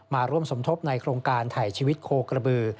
มาร่วมสมทบในโครงการถ่ายชีวิตโคกระบือ